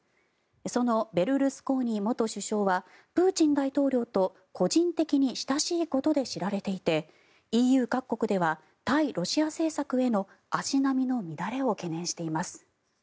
そのベルルスコーニ元首相はプーチン大統領と個人的に親しいことで知られていてＥＵ各国では対ロシア政策への足並みの乱れを懸念しています。